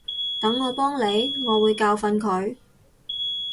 等我幫你，我會教訓佢